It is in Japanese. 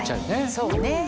そうね。